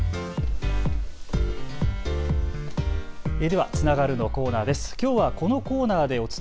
では、つながるのコーナーです。